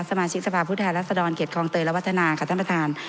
สมาชิกสภาพฤทธาลักษณ์รัฐสดรเกียรติครองเตยรัววัฒนาค่ะท่านประธาน